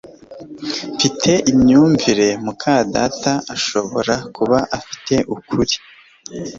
Mfite imyumvire muka data ashobora kuba afite ukuri